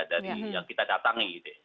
dari yang kita datangi